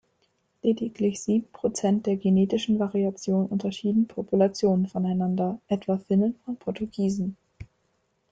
Lediglich sieben Prozent der genetischen Variation unterschieden Populationen voneinander, etwa Finnen von Portugiesen.